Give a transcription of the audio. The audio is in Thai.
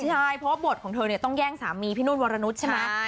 ใช่เพราะว่าบทของเธอเนี่ยต้องแย่งสามีพี่นุ่นวรนุษย์ใช่ไหม